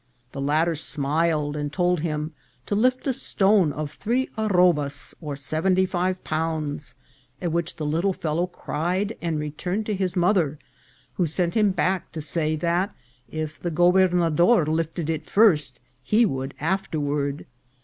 The latter smiled, and told him to lift a stone of three arrobas, or seventy five pounds, at which the little fellow cried and returned to his mother, who sent him back to say that if the gober nador lifted it first, he would afterward.